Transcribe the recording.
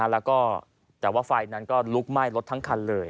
แล้วก็แต่ว่าไฟนั้นก็ลุกไหม้รถทั้งคันเลย